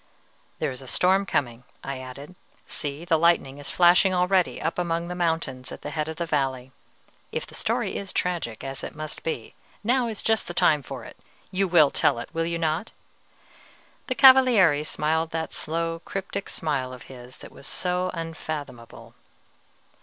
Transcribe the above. "There is a storm coming," I added. "See, the lightning is flashing already up among the mountains at the head of the valley; if the story is tragic, as it must be, now is just the time for it. You will tell it, will you not?" The Cavaliere smiled that slow, cryptic smile of his that was so unfathomable.